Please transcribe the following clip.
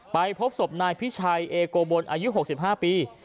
ไปพบศพนายพิชัยเอโกบนอายุ๖๕ปี